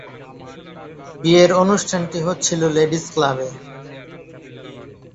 বিয়ের অনুষ্ঠানটি হচ্ছিল লেডিজ ক্লাবে।